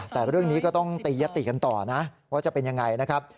แต่เรื่องนี้ก็ต้องตียติกันต่อนะว่าจะเป็นยังไงนะครับ